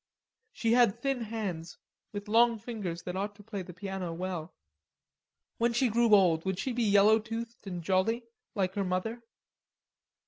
She had thin hands, with long fingers that ought to play the piano well. When she grew old would she be yellow toothed and jolly, like her mother?